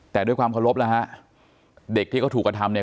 แต่ด้วยความเคารพแล้วฮะเด็กที่เขาถูกกระทำเนี่ย